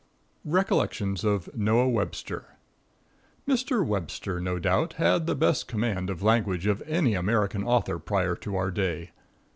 Recollections of Noah Webster. Mr. Webster, no doubt, had the best command of language of any American author prior to our day.